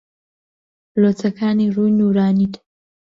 لۆچەکانی ڕووی نوورانیت